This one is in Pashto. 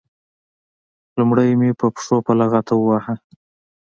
لومړی مې په پښو په لغته وواهه.